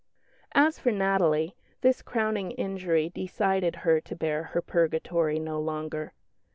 As for Natalie, this crowning injury decided her to bear her purgatory no longer.